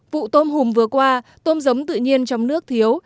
vụ tôm hùm vừa qua tôm giống tự nhiên trong nước thiếu